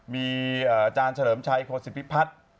มีจาร์เฉลย์มชัยโครตสิพิพัฒน์